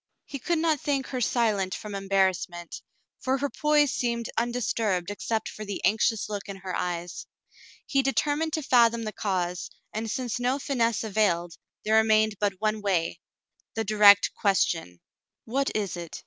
He could not think her silent from embarrassment, for her poise seemed undisturbed except for the anxious look in her eyes. He determined to fathom the cause, and since no finesse availed, there remained but one wav, — the direct question. "What is it